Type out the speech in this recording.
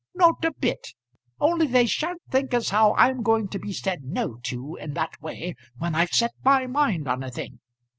"Not a bit. Only they sha'n't think as how I'm going to be said 'no' to in that way when I've set my mind on a thing.